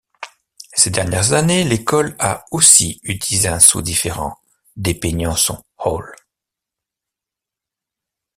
Ces dernières années l'école a aussi utilisé un sceau différent dépeignant son Hall.